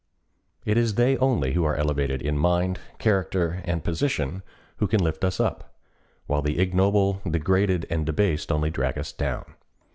It is they only who are elevated in mind, character, and position, who can lift us up; while the ignoble, degraded, and debased only drag us down.